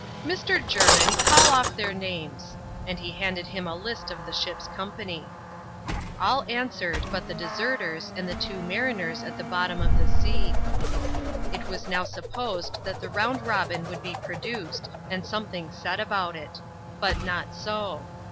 " Mr. Jermin, call off their names ;" and he handed him a ist of the ship's company. All answered but the deserters and the two mariners at the tottom of the sea. so ADVENTURES IN THE SOUTH SEAS. [chap, xxl* It was now supposed that the Bound Robin would be pro* duced, and something said about it. But not so.